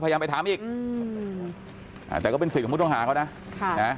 พยายามไปถามอีกแต่ก็เป็นศิษย์กระมุดต้องหาเขานะ